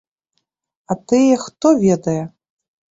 А тыя, хто ведае?